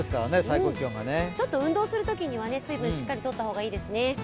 運動するときには水分をしっかりとった方がいいですね。